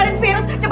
bisa berubah juga